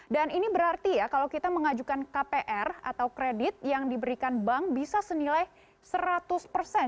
dan ini berarti ya kalau kita mengajukan kpr atau kredit yang diberikan bank bisa senilai seratus persen